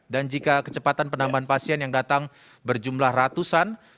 dan jika kecepatan penambahan pasien yang datang berjumlah ratusan